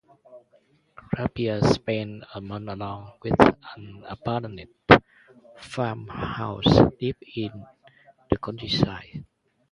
Gerbier spends a month alone in an abandoned farmhouse deep in the countryside.